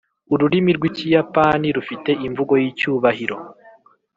ururimi rwikiyapani rufite imvugo yicyubahiro.